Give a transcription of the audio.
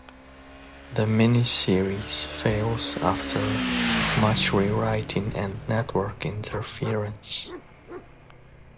The mini-series fails after much rewriting and network interference.